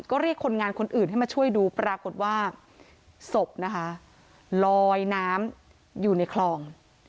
ก็เรียกคนงานคนอื่นให้มาช่วยดูปรากฏว่าศพนะคะลอยน้ำอยู่ในคลอง